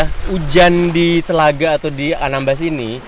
nah hujan di telaga atau di anambas ini